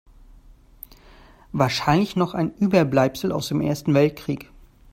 Wahrscheinlich noch ein Überbleibsel aus dem Ersten Weltkrieg.